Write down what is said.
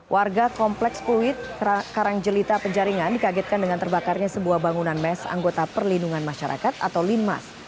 warga kompleks puid karangjelita penjaringan dikagetkan dengan terbakarnya sebuah bangunan mes anggota perlindungan masyarakat atau linmas